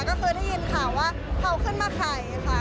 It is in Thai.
ก็ได้ยินค่ะว่าเขาขึ้นมาข่ายค่ะ